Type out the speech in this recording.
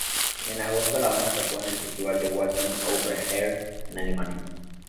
En agosto, la banda toco en el festival de Wacken Open Air en Alemania.